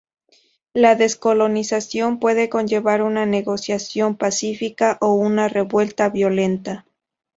La descolonización puede conllevar una negociación pacífica o una revuelta violenta.